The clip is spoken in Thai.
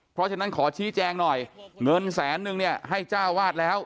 เพราะฉะนั้นขอชี้แจงหน่อยเงินแสนนึงเนี่ยให้เจ้าวาดแล้ว